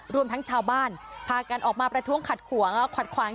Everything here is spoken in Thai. รวมทั้งชาวบ้านพากันออกมาประท้วงขัดขวงขัดขวาง